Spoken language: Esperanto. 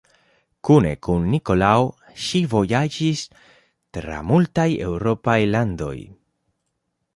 Kune kun Nikolao ŝi vojaĝis tra multaj eŭropaj landoj.